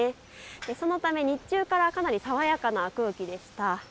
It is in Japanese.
そのため日中からかなり爽やかな空気でした。